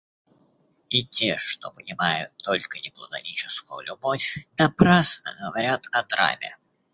И те, что понимают только неплатоническую любовь, напрасно говорят о драме.